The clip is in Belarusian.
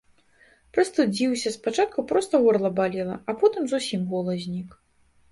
Прастудзіўся, спачатку проста горла балела, а потым зусім голас знік.